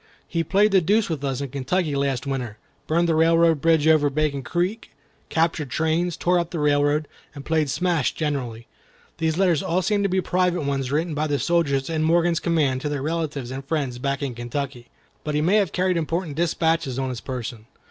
He played the deuce with us in Kentucky last winter: burned the railroad bridge over Bacon Creek, captured trains, tore up the railroad, and played smash generally. These letters all seem to be private ones written by the soldiers in Morgan's command to their relatives and friends back in Kentucky. But he may have carried important dispatches on his person.